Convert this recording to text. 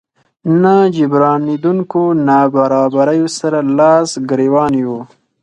ناجبرانېدونکو نابرابريو سره لاس ګریوان يو.